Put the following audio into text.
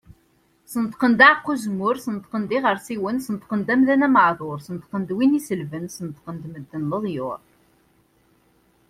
Sneṭqen-d aɛeqqa uzemmur, Sneṭqen-d iɣersiwen, Sneṭqen-d amdan ameɛdur, Sneṭqen-d win iselben, Sneṭqen-d medden leḍyur.